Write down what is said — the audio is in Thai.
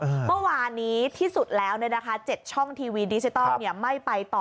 เมื่อวานนี้ที่สุดแล้ว๗ช่องทีวีดิจิทัลไม่ไปต่อ